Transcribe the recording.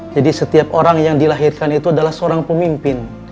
jadi setiap orang yang dilahirkan itu adalah seorang pemimpin